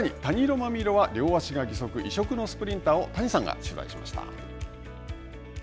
さらにたに色まみ色は両足が義足異色のスプリンターを谷さんが取材しました。